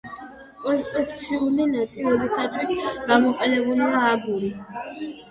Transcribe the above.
კონსტრუქციული ნაწილებისათვის გამოყენებულია აგური.